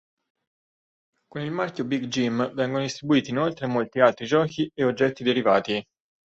Con il marchio Big Jim vengono distribuiti inoltre molti altri giochi e oggetti derivati.